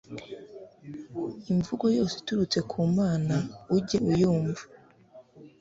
imvugo yose iturutse ku mana, ujye uyumva